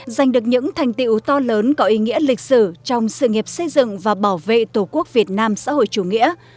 giành được những thành tiệu to lớn có ý nghĩa lịch sử trong sự nghiệp xây dựng và bảo vệ tổ quốc việt nam xã hội chủ nghĩa